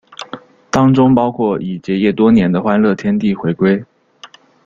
当中包括已结业多年的欢乐天地回归。